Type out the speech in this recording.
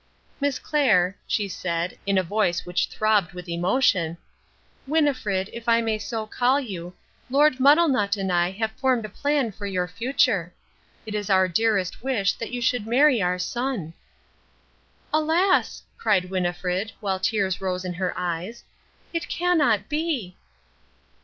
"Miss Clair," she said, in a voice which throbbed with emotion, "Winnifred, if I may so call you, Lord Muddlenut and I have formed a plan for your future. It is our dearest wish that you should marry our son." "Alas," cried Winnifred, while tears rose in her eyes, "it cannot be!"